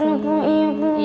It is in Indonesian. jangan pergi sendiri bu